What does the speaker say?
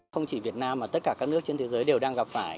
không chỉ việt nam mà tất cả các nước trên thế giới đều đang gặp phải